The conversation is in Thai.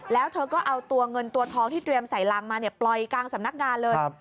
แล้วเธอก็เอาตัวเงินตัวทองที่เตรียมใส่รังมาปล่อยกลางสำนักงานเลย